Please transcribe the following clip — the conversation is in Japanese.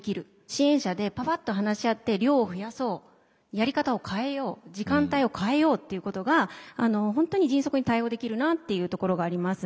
支援者でパパッと話し合って量を増やそうやり方を変えよう時間帯を変えようっていうことが本当に迅速に対応できるなというところがあります。